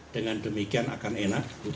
dengan demikian akan enak